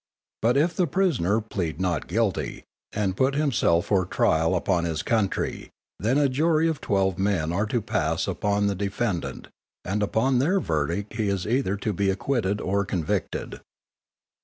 But if the prisoner plead not guilty, and put himself for trial upon his country, then a jury of twelve men are to pass upon the defendant, and upon their verdict he is either to be acquitted or convicted.